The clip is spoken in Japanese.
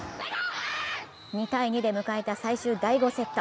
２−２で迎えた最終第５セット。